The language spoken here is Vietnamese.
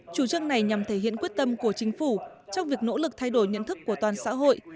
chủ trương này nhằm thể hiện quyết tâm của chính phủ trong việc nỗ lực thay đổi nhận thức của toàn xã hội